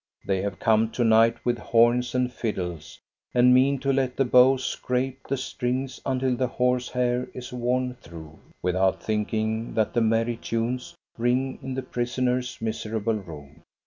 They have come to night with horns and fiddles, and mean to let the bows scrape the strings until the horse hair is worn through, without thinking that the merry tunes ring in the prisoner's miserable room.